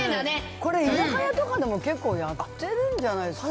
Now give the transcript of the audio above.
これ、居酒屋とかでも結構やってるんじゃないですかね。